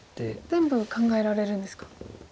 全部考えられるんですか。